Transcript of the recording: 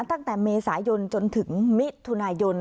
ตั้งแต่เมษายนจนถึงมิถุนายน